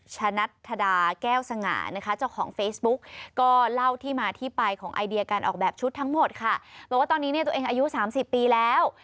จริงคือเนี่ยตัวเองอายุ๓๐ปีแล้ว